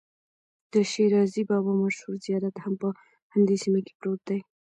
د شیرازي بابا مشهور زیارت هم په همدې سیمه کې پروت دی.